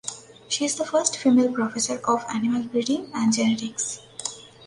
She is the first female professor of Animal Breeding and Genetics.